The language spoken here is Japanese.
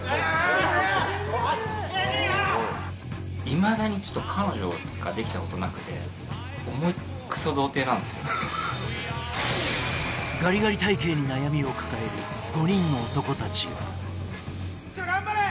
いまだに彼女ができたことなくてガリガリ体型に悩みを抱える５人の男たちを・頑張れ！